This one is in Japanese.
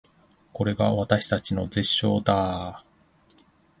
これが私たちの絶唱だー